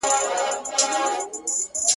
نه پاته کيږي، ستا د حُسن د شراب، وخت ته.